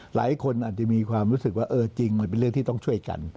หลายคนอาจจะมีความรู้สึกว่าเออจริงมันเป็นเรื่องที่ต้องช่วยกัน